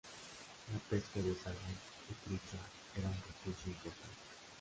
La pesca de salmón y trucha era un recurso importante.